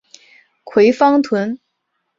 葵芳邨。